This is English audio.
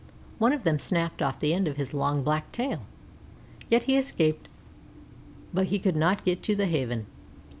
One of them snapped off the end of his long black tail, yet he escaped; but he could not get to the Haven.